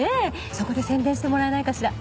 そこで宣伝してもらえないかしら？